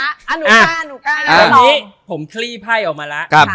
ตอนนี้ผมคลีเผ่ยออกมาละ